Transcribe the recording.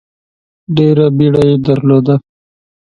ډېره بیړه یې درلوده.